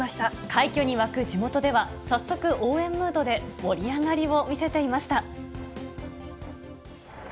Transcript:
快挙に沸く地元では、早速、応援ムードで盛り上がりを見せていました。